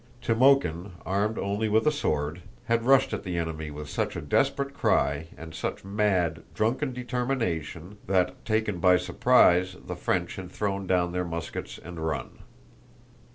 Timókhin, armed only with a sword, had rushed at the enemy with such a desperate cry and such mad, drunken determination that, taken by surprise, the French had thrown down their muskets and run.